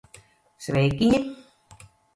Sveikiņi!